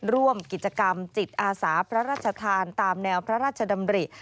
ร่วมกิจกรรมจิตอาสาพระราชทานตามแนวพระราชดำริ